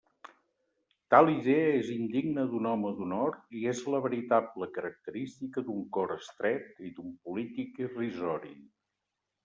Tal idea és indigna d'un home d'honor i és la veritable característica d'un cor estret i d'un polític irrisori.